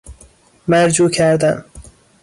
مرجوع کردن